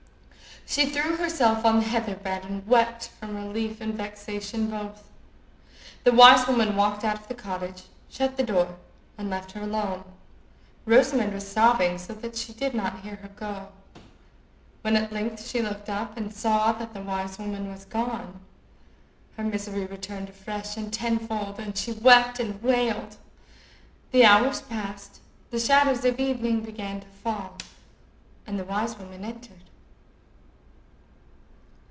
She threw herself on the heather bed and wept from relief and vexation both. The wise woman walked out of the cottage, shut the door, and left her alone. Rosamond was sobbing, so that she did not hear her go. When at length she looked up, and saw that the wise woman was gone, her misery returned afresh and tenfold, and she wept and wailed. The hours passed, the shadows of evening began to fall, and the wise woman entered.